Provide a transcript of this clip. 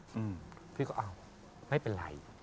ถูกไหมฮะพี่ก็เอาไม่เป็นไร